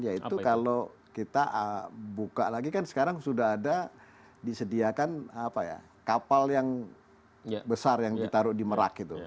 yaitu kalau kita buka lagi kan sekarang sudah ada disediakan kapal yang besar yang ditaruh di merak itu